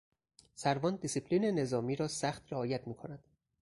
سروان دیسیپلین نظامی را سخت رعایت میکند.